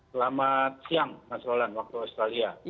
selamat siang mas rolan waktu australia